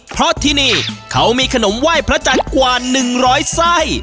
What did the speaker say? เพราะที่นี่เขามีขนมไหว้พระจันทร์กว่า๑๐๐ไส้